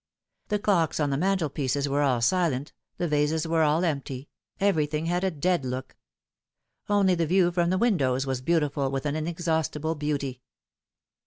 The clocks on the mantelpieces were all silent, the vases were all empty : every thing had a dead look. Only the view from the windows was beautiful with an inexhaustible beauty.